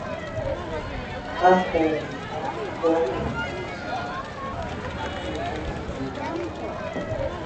Fam ai minga bəbələ ngul ya tindi mətin malug.